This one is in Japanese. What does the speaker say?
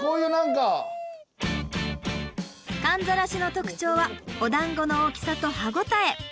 かんざらしの特徴はお団子の大きさと歯応え。